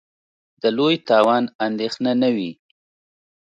د لوی تاوان اندېښنه نه وي.